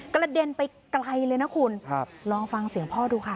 กระเด็นไปไกลเลยนะคุณครับลองฟังเสียงพ่อดูค่ะ